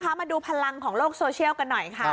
มาดูพลังของโลกโซเชียลกันหน่อยค่ะ